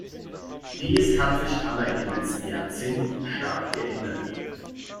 Dies hat sich aber in den letzten Jahrzehnten stark geändert.